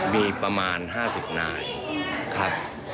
มีประมาณ๕๐นายครับ